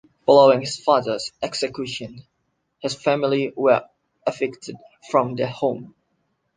Following his father's execution, his family were evicted from their home.